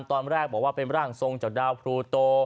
ตอนแรกบอกว่าเป็นร่างทรงจากดาวพลูโต